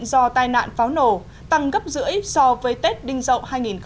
do tai nạn pháo nổ tăng gấp giữa ít so với tết đinh dậu hai nghìn một mươi bảy